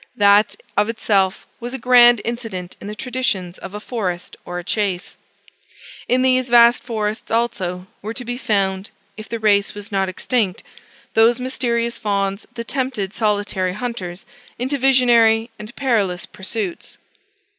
That, of itself, was a grand incident in the traditions of a forest or a chase. In these vast forests, also, were to be found (if the race was not extinct) those mysterious fawns that tempted solitary hunters into visionary and perilous pursuits.